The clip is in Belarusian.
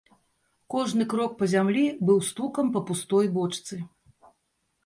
Кожны крок па зямлі быў стукам па пустой бочцы.